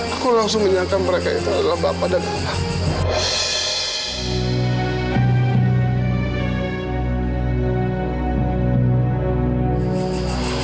aku langsung menyangka mereka itu adalah bapak dan anak